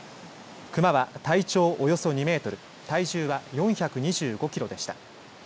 クマは体長およそ２メートル体重は４２５キロでした。